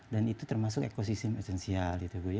dan itu termasuk ekosistem esensial